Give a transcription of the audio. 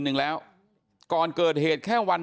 พี่สาวของผู้ตายอายุ๗๒ปี